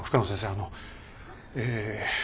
あのええ。